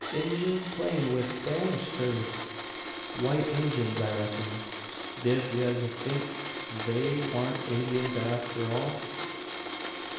"Injuns playin' wi' Spanish curds! White Injuns, I reck'n." "Div yez think they waren't Indyins, afther all?"